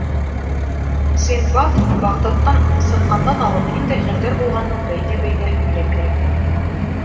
Синдбад, Бағдадтан сыҡҡандан алып, ниндәй хәлдәр булғанын бәйнә-бәйнә һөйләп бирә.